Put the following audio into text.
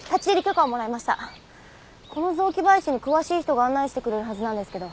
この雑木林に詳しい人が案内してくれるはずなんですけど。